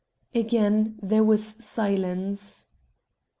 Again there was silence.